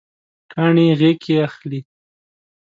کاڼي یې غیږکې اخلي